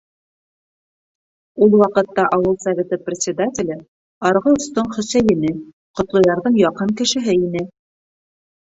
Ул ваҡытта ауыл Советы председателе - арғы остоң Хөсәйене, Ҡотлоярҙың яҡын кешеһе ине.